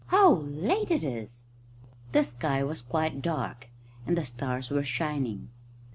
"How late it is!" The sky was quite dark, and the stars were shining.